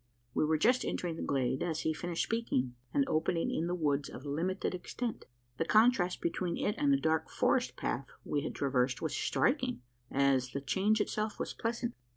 We were just entering the glade, as he finished speaking an opening in the woods of limited extent. The contrast between it and the dark forest path we had traversed was striking as the change itself was pleasant.